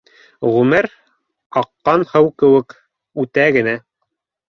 Ғүмер, аҡҡан һыу кеүек, үтә генә